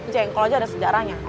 jengkol aja ada sejarahnya